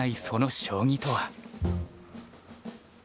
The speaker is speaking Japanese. その将棋とは。